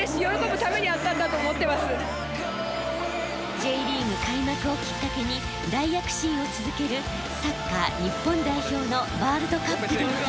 Ｊリーグ開幕をきっかけに大躍進を続けるサッカー日本代表のワールドカップでの戦い。